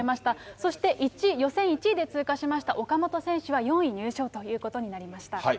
そして予選１位で通過しました岡本選手は４位に入賞ということになりました。